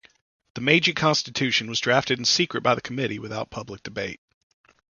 The Meiji Constitution was drafted in secret by the committee, without public debate.